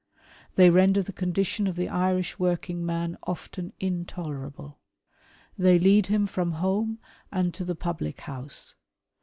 They render the condition of the Irish working man often intolerable. They lead him from home and to tlie public house.